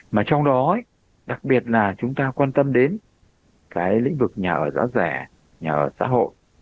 mà trong đó đặc biệt là chúng ta quan tâm đến cái lĩnh vực nhà ở giá rẻ nhà ở xã hội